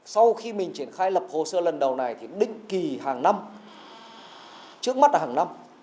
sau khi mình triển khai lập hồ sơ lần đầu này thì định kỳ hàng năm trước mắt là hàng năm